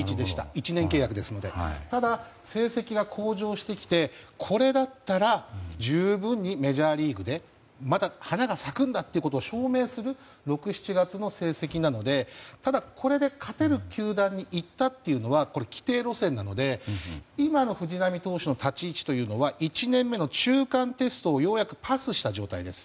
１年契約ですのでただ成績が向上してきてこれだったら十分にメジャーリーグで花が咲くんだということを証明する６、７月の成績なのでただ、これで勝てる球団にいったっていうのは既定路線なので、今の藤浪投手の立ち位置というのは１年目の中間テストをようやくパスした状態です。